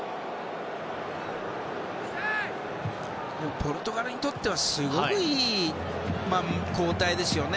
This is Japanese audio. ポルトガルにとってはすごくいい交代ですよね。